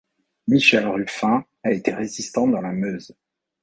Michel Rufin a été résistant dans la Meuse.